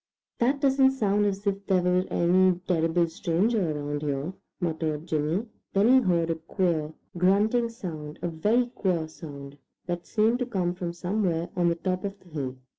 "That doesn't sound as if there were any terrible stranger around here," muttered Jimmy. Then he heard a queer, grunting sound, a very queer sound, that seemed to come from somewhere on the top of the hill.